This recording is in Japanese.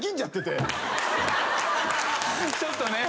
ちょっとね。